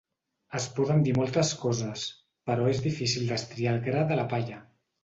Es poden dir moltes coses, però és difícil destriar el gra de la palla.